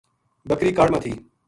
بکری کاڑ ما تھی